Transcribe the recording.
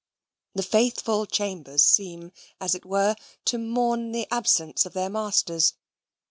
The faithful chambers seem, as it were, to mourn the absence of their masters.